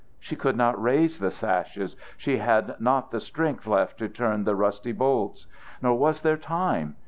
She could not raise the sashes. She had not the strength left to turn the rusty bolts. Nor was there time.